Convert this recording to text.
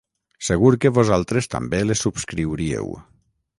Segur que vosaltres també les subscriuríeu.